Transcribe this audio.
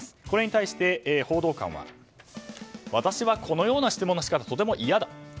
これに対して報道官は私はこのような質問の仕方がとても嫌だ。